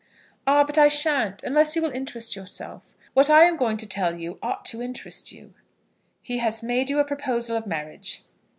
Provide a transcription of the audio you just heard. "Ah, but I shan't, unless you will interest yourself. What I am going to tell you ought to interest you." "He has made you a proposal of marriage?"